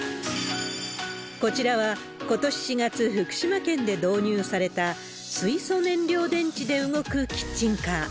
こちらは、ことし４月、福島県で導入された、水素燃料電池で動くキッチンカー。